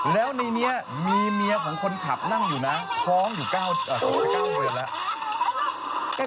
แล้วในนี้มีเมียของคนขับนั่งอยู่นะท้องอยู่ไป๙เดือนแล้ว